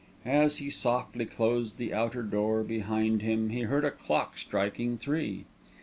As he softly closed the outer door behind him he heard a clock striking three.